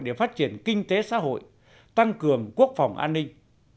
để phát triển kinh tế xã hội tăng cường quốc phòng an ninh